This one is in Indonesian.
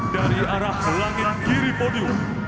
dari arah langit kiri podium